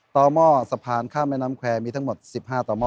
หม้อสะพานข้ามแม่น้ำแควร์มีทั้งหมด๑๕ต่อห้อ